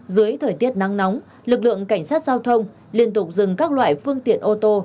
dưới thời tiết nắng nóng lực lượng cảnh sát giao thông liên tục dừng các loại phương tiện ô tô